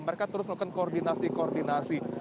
mereka terus melakukan koordinasi koordinasi